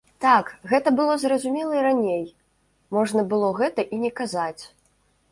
Так, гэта было зразумела і раней, можна было гэта і не казаць!